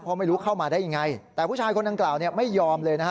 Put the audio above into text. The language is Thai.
พอไม่รู้เข้ามาได้ยังไงแต่ผู้ชายคนนั้นกล่าวไม่ยอมเลยนะฮะ